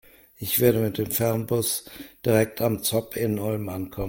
Ich werde mit dem Fernbus direkt am ZOB in Ulm ankommen.